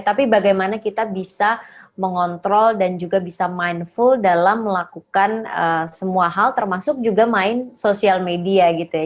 tapi bagaimana kita bisa mengontrol dan juga bisa mindful dalam melakukan semua hal termasuk juga main sosial media gitu ya